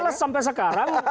selesai sampai sekarang